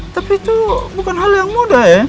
tapi itu bukan hal yang mudah ya